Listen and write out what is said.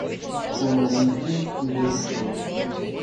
Quando alguns riem, os outros choram.